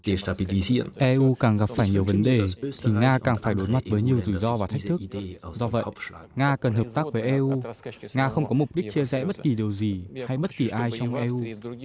kể cả eu càng gặp phải nhiều vấn đề thì nga càng phải đối mặt với nhiều rủi ro và thách thức do vậy nga cần hợp tác với eu nga không có mục đích chia rẽ bất kỳ điều gì hay bất kỳ ai trong eu